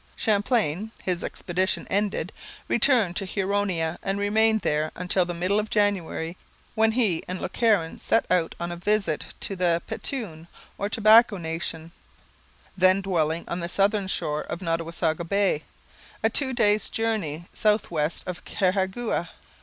Champlain, his expedition ended, returned to Huronia and remained there until the middle of January, when he and Le Caron set out on a visit to the Petun or Tobacco Nation, then dwelling on the southern shore of Nottawasaga Bay, a two days' journey south west of Carhagouha.